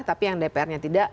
tapi yang dpr nya tidak